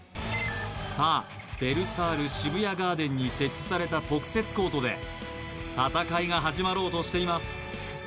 さあベルサール渋谷ガーデンに設置された特設コートで戦いが始まろうとしています